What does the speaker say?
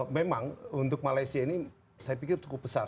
memang untuk malaysia ini saya pikir cukup besar